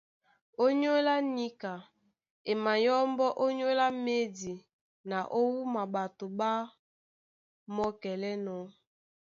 Ónyólá níka, e mayɔ́mbɔ́ ónyólá médi na ó wúma ɓato ɓá mɔ́kɛlɛ́nɔ̄.